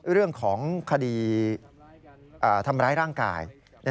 เรื่องของคดีทำร้ายร่างกาย